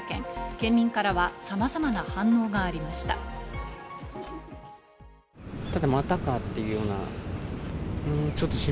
県民からはさまざまな反応がありました。